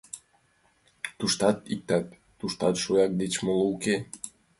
Туштат иктак, туштат шояк деч моло уке.